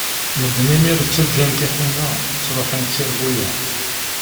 Medden imir ttaǧǧan tiḥuna, ttruḥun d tirbuyaε.